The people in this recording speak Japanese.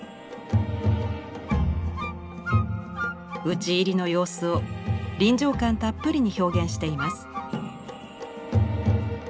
討ち入りの様子を臨場感たっぷりに表現しています。